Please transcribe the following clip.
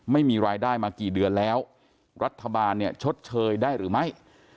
ไม่มีรายได้มากี่เดือนแล้วรัฐบาลเนี่ยชดเชยได้หรือไม่